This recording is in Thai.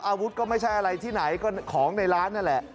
อาวุธก็ไม่ใช่อะไรที่ไหนก็ของในร้านนั่นแหละ